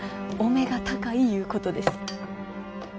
お目が高いいうことです。